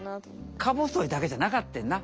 かぼそいだけじゃなかってんな。